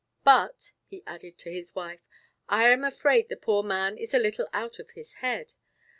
But," he added to his wife, "I am afraid the poor man is a little out of his head.